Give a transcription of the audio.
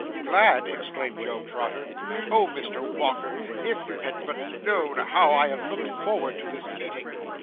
'Glad!' exclaimed Job Trotter; 'Oh, Mr. Walker, if you had but known how I have looked forward to this meeting!